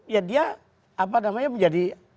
ya dia apa namanya menjadi